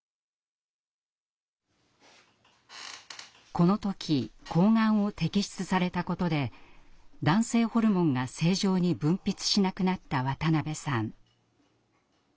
この時睾丸を摘出されたことで男性ホルモンが正常に分泌しなくなった渡邊さん。